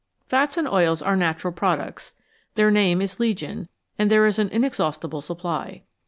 Fats and oils are natural products, their name is legion, and there is an inexhaustible supply.